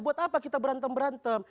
buat apa kita berantem berantem